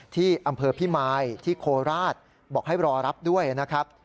ที่อำเภอพิมายที่โคราชบอกให้รอรับด้วยนะครับ